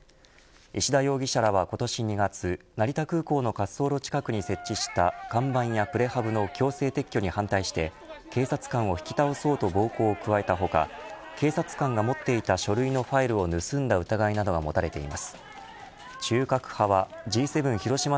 石田容疑者らは今年２月成田空港の滑走路近くに設置した看板やプレハブの強制撤去に反対して警察官を引き倒そうと暴行を加えた他警察官が持っていた書類のファイルを盗んだ疑いなどがまだ始めてないの？